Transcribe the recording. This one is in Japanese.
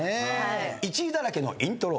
１位だらけのイントロ。